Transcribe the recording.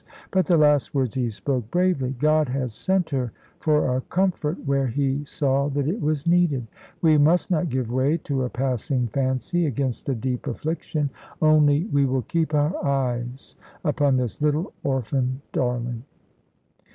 But the last words he spoke bravely, "God has sent her for a comfort where He saw that it was needed. We must not give way to a passing fancy against a deep affliction; only we will keep our eyes upon this little orphan darling."